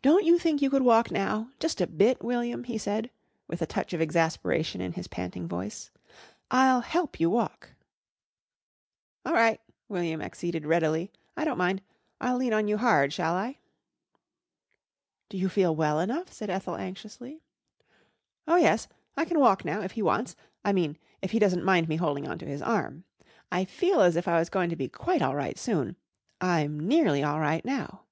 "Don't you think you could walk now just a bit, William?" he said, with a touch of exasperation in his panting voice. "I'll help you walk." "All right," William acceded readily. "I don't mind. I'll lean on you hard, shall I?" "Do you feel well enough?" said Ethel anxiously. "Oh, yes. I can walk now, if he wants I mean if he doesn't mind me holding on to his arm. I feel as if I was goin' to be quite all right soon. I'm nearly all right now."